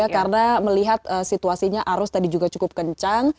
karena melihat situasinya arus tadi juga cukup kencang